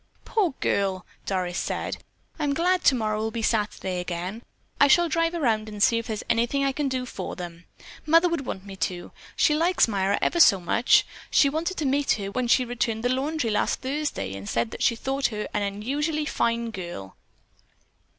"Poor girl!" Doris said. "I'm glad tomorrow will be Saturday again. I shall drive around and see if there is anything I can do for them. Mother would want me to. She likes Myra ever so much. She wanted to meet her when she returned the laundry last Thursday, and she said she thought her an unusually fine girl.